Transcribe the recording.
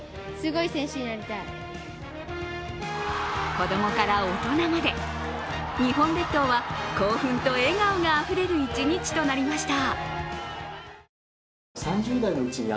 子供から大人まで日本列島は興奮と笑顔があふれる一日となりました。